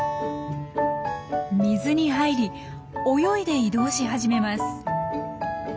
水に入り泳いで移動し始めます。